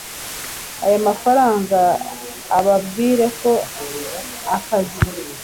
aya mafaranga ubabwire ko akazi